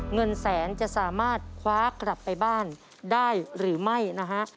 เงินแสนจะสามารถคว้ากลับไปบ้านได้หรือไม่นะฮะ